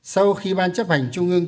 sau khi ban chấp hành trung ương